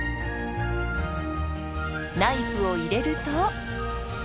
ナイフを入れると。